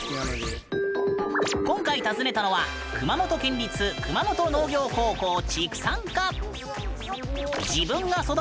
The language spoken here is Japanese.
今回訪ねたのは熊本県立熊本農業高校畜産科。